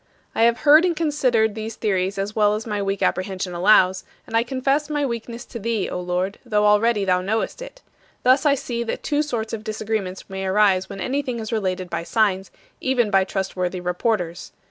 I have heard and considered these theories as well as my weak apprehension allows, and I confess my weakness to Thee, O Lord, though already thou knowest it. Thus I see that two sorts of disagreements may arise when anything is related by signs, even by trustworthy reporters.